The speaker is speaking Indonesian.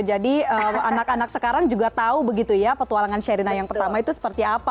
jadi anak anak sekarang juga tahu begitu ya petualangan sherina yang pertama itu seperti apa